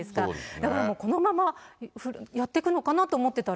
だからもう、このままやってくのかな？と思ってたら。